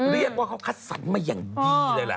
เรียกว่าเขาคัดสรรมาอย่างดีเลยล่ะ